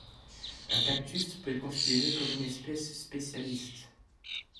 Un cactus peut être considéré comme une espèce spécialiste.